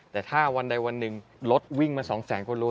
แต่ถ้าวันใดวันหนึ่งรถวิ่งมา๒แสนกว่าโล